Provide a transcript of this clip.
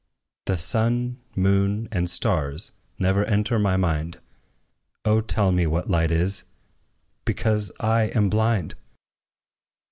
The sun, moon and stars never enter my mind. O tell me what light is, because I am blind!